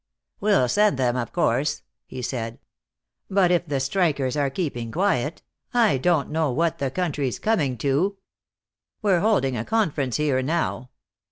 "We'll send them, of course," he said. "But if the strikers are keeping quiet I don't know what the country's coming to. We're holding a conference here now.